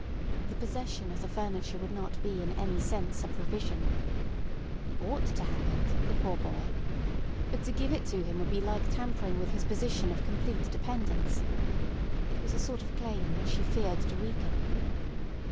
The possession of the furniture would not be in any sense a provision. He ought to have it—the poor boy. But to give it to him would be like tampering with his position of complete dependence. It was a sort of claim which she feared to weaken.